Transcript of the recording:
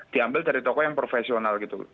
diambil dari tokoh yang profesional